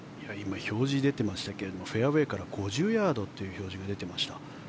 表示が出ていましたがフェアウェーから５０ヤードという表示でした。